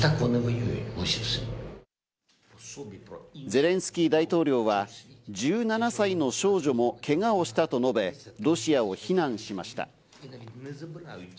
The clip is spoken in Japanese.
ゼレンスキー大統領は１７歳の少女もけがをしたと述べ、ロシアを非難しました。